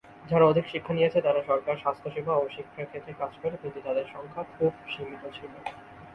যারা অধিক শিক্ষা নিয়েছে তারা সরকার, স্বাস্থ্যসেবা ও শিক্ষার ক্ষেত্রে কাজ করে, কিন্তু তাদের সংখ্যা খুব সীমিত ছিল।